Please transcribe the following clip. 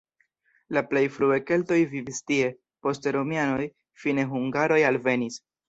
La plej frue keltoj vivis tie, poste romianoj, fine hungaroj alvenis.